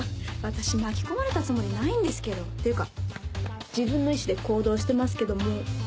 私巻き込まれたつもりないんですけど。というか自分の意思で行動してますけども。